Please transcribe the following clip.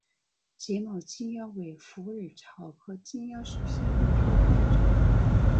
睫毛金腰为虎耳草科金腰属下的一个变种。